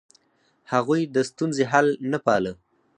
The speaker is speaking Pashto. هغوی د ستونزې حل نه پاله.